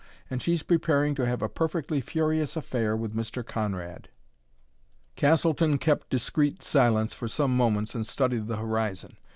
And she's preparing to have a perfectly furious affair with Mr. Conrad." Castleton kept discreet silence for some moments and studied the horizon.